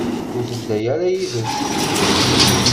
Ur tedda ara yid-s.